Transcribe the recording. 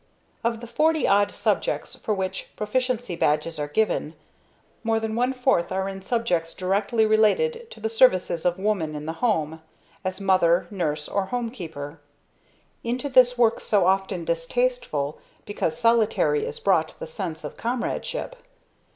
Of the forty odd subjects for which Proficiency Badges are given, more than one fourth are in subjects directly related to the services of woman in the home, as mother, nurse or homekeeper. Into this work so often distasteful because solitary is brought the sense of comradeship.